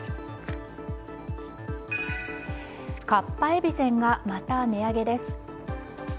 かっぱえびせんがまた値上げです。